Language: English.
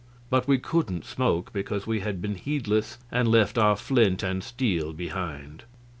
But we couldn't smoke, because we had been heedless and left our flint and steel behind.